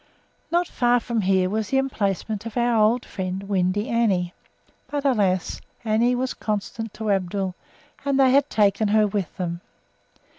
Not far from here was the emplacement of our old friend "Windy Annie," but alas! Annie was constant to Abdul, and they had taken her with them.